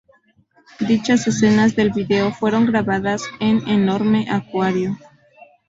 Dichas escenas del vídeo fueron grabadas en enorme acuario.